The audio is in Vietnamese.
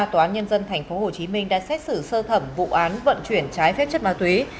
tòa án nhân dân tp hcm đã xét xử sơ thẩm vụ án vận chuyển trái phép chất ma túy